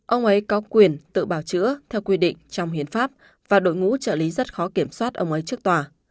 ông ấy có quyền tự bào chữa theo quy định trong hiến pháp và đội ngũ trợ lý rất khó kiểm soát ông ấy trước tòa